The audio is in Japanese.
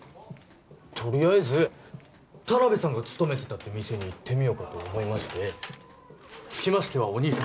とりあえず田辺さんが勤めてたって店に行ってみようかと思いましてつきましてはお兄様